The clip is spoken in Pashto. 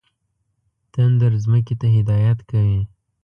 تندر ځمکې ته هدایت کوي.